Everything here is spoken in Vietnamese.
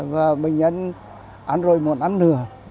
và bệnh nhân ăn rồi muốn ăn nửa